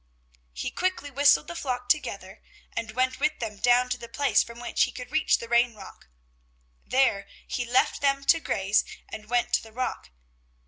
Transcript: He quickly whistled the flock together and went with them down to the place from which he could reach the Rain rock. There he left them to graze and went to the rock.